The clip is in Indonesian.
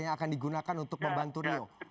yang akan digunakan untuk membantu rio